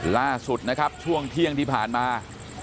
ล่าสุดนะครับช่วงเที่ยงที่ผ่านมา